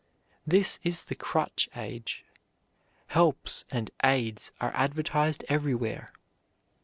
This is the crutch age. "Helps" and "aids" are advertised everywhere.